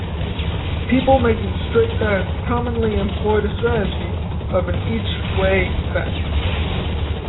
People making straight bets commonly employ the strategy of an "each way" bet.